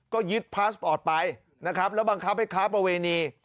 ก็ยึดพาสปอร์ตไปนะครับแล้วบังคับให้ค้าประเวณี